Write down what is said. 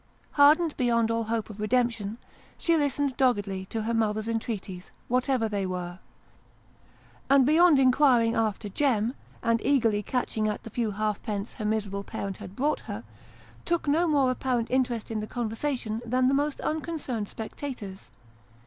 Hardened beyond all hope of redemption, she listened doggedly to her mother's entreaties, what ever they were: and, beyond inquiring after "Jem," and eagerly catching at the few halfpence her miserable parent had brought her, took no more apparent interest in the conversation than the most un concerned spectators.